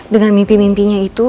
dengan mimpi mimpinya itu